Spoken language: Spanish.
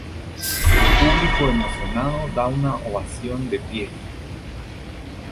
El público emocionado da una ovación de pie.